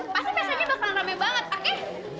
pasti pestanya bakalan rame banget oke